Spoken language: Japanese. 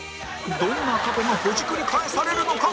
どんな過去がほじくり返されるのか？